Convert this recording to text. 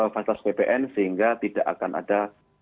fasilitas ppn sehingga tidak akan ada